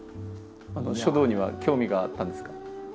書道には興味があったんですか？